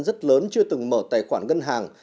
rất lớn chưa từng mở tài khoản ngân hàng